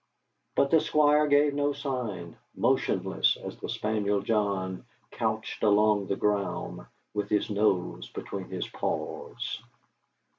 But the Squire gave no sign, motionless as the spaniel John couched along the ground with his nose between his paws.